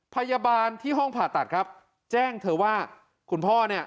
พยาบาลที่ห้องผ่าตัดครับแจ้งเธอว่าคุณพ่อเนี่ย